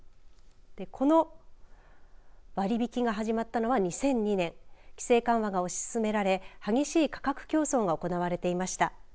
この割引が始まったのは２００２年規制緩和が推し進められ激しい価格競争が行われていました。